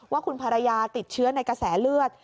ว่าคุณภรรยาติดเชื้อในกระแสเลือด